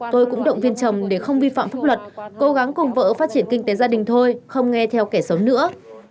tôi cũng động viên chồng để không vi phạm pháp luật cố gắng cùng vợ phát triển kinh tế gia đình thôi không nghe theo kẻ xấu nữa